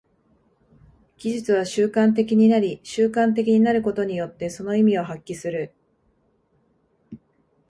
技術は習慣的になり、習慣的になることによってその意味を発揮する。